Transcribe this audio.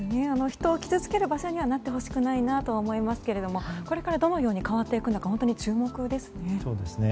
人を傷つける場所にはなってほしくないなと思いますがどのように変わっていくのか注目ですね。